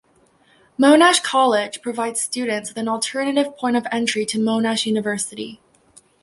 Monash College provides students with an alternative point of entry to Monash University.